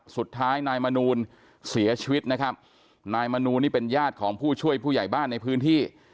สุดท้ายนายมนูลเสียชีวิตนะครับนายมนูนี่เป็นญาติของผู้ช่วยผู้ใหญ่บ้านในพื้นที่